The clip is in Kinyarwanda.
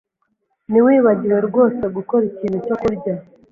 Nibagiwe rwose gukora ikintu cyo kurya.